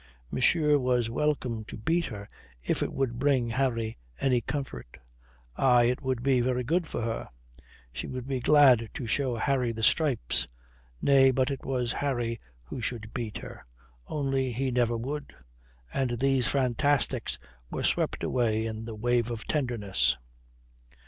Monsieur was welcome to beat her if it would bring Harry any comfort. Aye, it would be very good for her. She would be glad to show Harry the stripes. Nay, but it was Harry who should beat her only he never would. And these fantastics were swept away in a wave of tenderness.